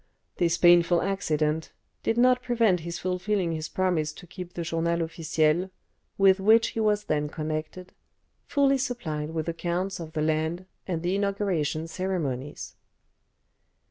This painful accident did not prevent his fulfilling his promise to keep the "Journal Officiel," with which he was then connected, fully supplied with accounts of the land and the inauguration ceremonies.